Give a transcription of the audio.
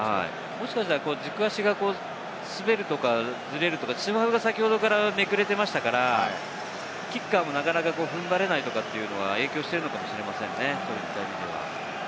軸足が滑るとか、ぶれるとか、芝生が先ほどからめくれていましたから、キッカーもなかなか踏ん張れないというのが影響しているかもしれませんね。